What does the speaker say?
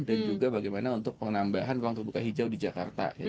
dan juga bagaimana untuk penambahan ruang terbuka hijau di jakarta